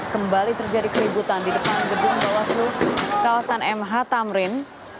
kembali terjadi keributan di depan gedung bawaslu kawasan mh tamrin